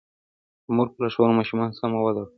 د مور په لارښوونه ماشومان سم وده کوي.